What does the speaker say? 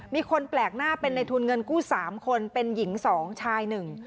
มีคนแปลกหน้าเป็นในทุนเงินกู้สามคนเป็นหญิงสองชายหนึ่ง